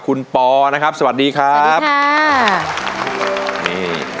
คุณปอนะครับสวัสดีครับสวัสดีค่ะ